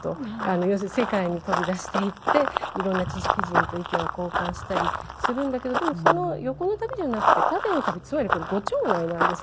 要するに世界に飛び出していっていろんな知識人と意見を交換したりするんだけどでもその横の旅じゃなくて縦の旅つまりこれご町内なんですよ。